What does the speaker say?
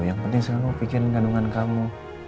yang penting selalu pikirin kandungan kamu